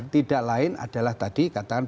tidak lain adalah tadi katakan